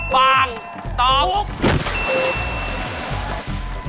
บางตอบโข